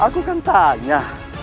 aku kan tanya